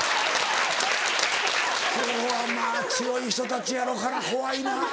今日はまぁ強い人たちやろから怖いな。